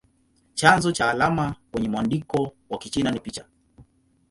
Chanzo cha alama kwenye mwandiko wa Kichina ni picha.